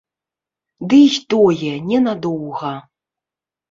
Ды і тое не надоўга.